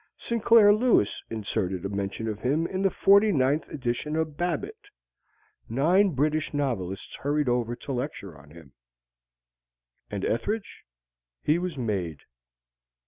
Sinclair Lewis inserted a mention of him in the forty ninth edition of "Babbitt." Nine British novelists hurried over to lecture on him. And Ethridge? He was made.